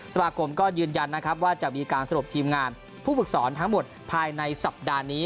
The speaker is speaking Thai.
สมาคมก็ยืนยันนะครับว่าจะมีการสรุปทีมงานผู้ฝึกสอนทั้งหมดภายในสัปดาห์นี้